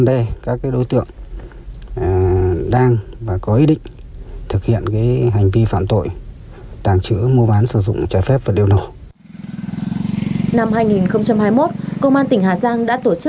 năm hai nghìn hai mươi một công an tỉnh hà giang đã tổ chức sáu trăm bốn mươi bốn buổi tuyên truyền thông